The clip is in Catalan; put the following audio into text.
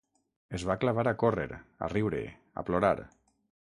Es va clavar a córrer, a riure, a plorar.